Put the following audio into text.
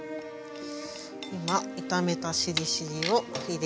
今炒めたしりしりーを入れ。